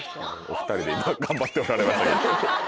お２人で頑張っておられまして。